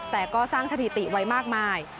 แต่ก็สร้างสถิติไว้มากมาย